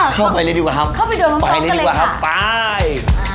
เข้าไปเลยดีกว่าครับไปเลยดีกว่าครับไป